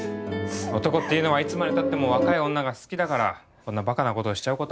男っていうのはいつまでたっても若い女が好きだからこんなバカな事をしちゃう事も。